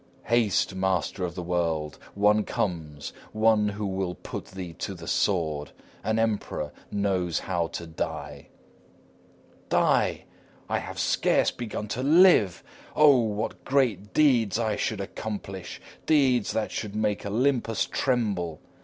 SATAN. Haste, Master of the World! One comes One who will put thee to the sword. An emperor knows how to die! NERO. Die! I have scarce begun to live! Oh, what great deeds I should accomplish deeds that should make Olympus tremble!